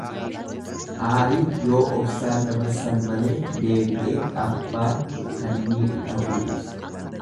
Aarii yoo obsaan dabarsan malee deebi'ee abbaa kan miidhu ta'uu ibsa.